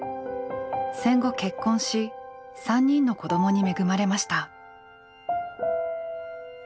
戦後結婚し３人の子供に恵まれました。